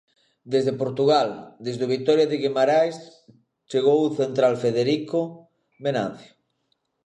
Desde Portugal, desde o Vitoria de Guimaraes chegou o central Frederico Venancio.